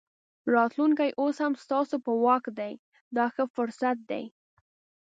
راتلونکی اوس هم ستاسو په واک دی دا ښه فرصت دی.